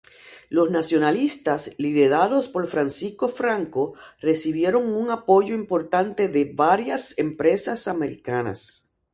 Los nacionalistas, liderados por Francisco Franco, recibieron un apoyo importante de varias empresas americanas.